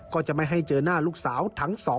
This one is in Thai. ก็จะไม่ให้เจอหน้าลูกสาวทั้งสอง